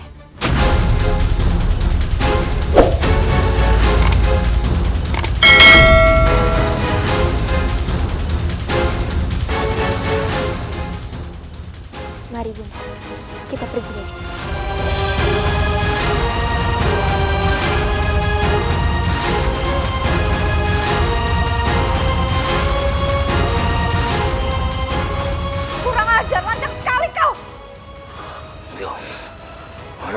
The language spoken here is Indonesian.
kau bisa menangkap orang yang berambisi seperti dirimu bunda